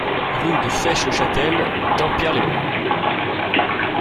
Rue de Fesches-le-Chatel, Dampierre-les-Bois